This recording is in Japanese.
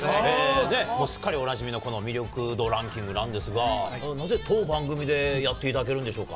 すっかりおなじみのこの魅力度ランキングなんですが、なぜ当番組でやっていただけるんでしょうか。